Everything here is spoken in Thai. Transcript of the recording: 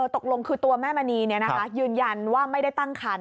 ตกลงคือตัวแม่มณียืนยันว่าไม่ได้ตั้งคัน